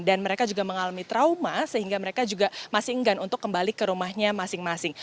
dan mereka juga mengalami trauma sehingga mereka juga masih enggan untuk kembali ke rumahnya masing masing